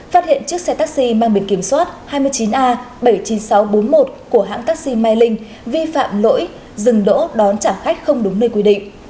phát hiện chiếc xe taxi mang biệt kiểm soát hai mươi chín a bảy mươi chín nghìn sáu trăm bốn mươi một của hãng taxi mai linh vi phạm lỗi dừng đỗ đón trả khách không đúng nơi quy định